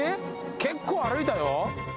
結構歩いたよ。